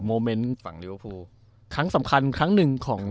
โอ้โห